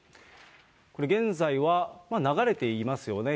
これ、現在は流れていますよね。